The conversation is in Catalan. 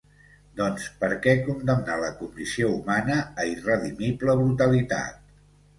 ¿Doncs, per què condemnar la condició humana a irredimible brutalitat?